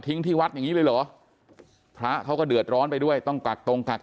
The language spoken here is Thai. ที่วัดอย่างนี้เลยเหรอพระเขาก็เดือดร้อนไปด้วยต้องกักตรงกัก